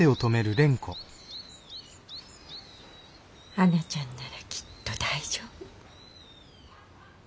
はなちゃんならきっと大丈夫。